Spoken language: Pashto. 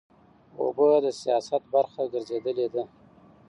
اوبه د سیاست برخه ګرځېدلې ده.